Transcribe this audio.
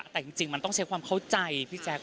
แต่จริงมันต้องใช้ความเข้าใจพี่แจ๊ค